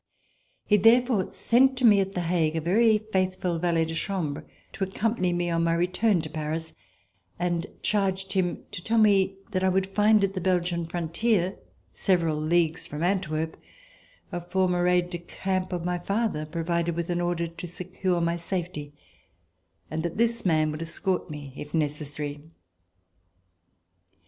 He therefore C 132] RESIDENCE IN HOLLAND sent to me at The Hague a very faithful valet de chambre to accompany me on my return to Paris and charged him to tell me that I would find at the Belgian frontier, several leagues from Antwerp, a former aide de camp of my father, provided with an order to secure my safety, and that this man would escort me if necessary.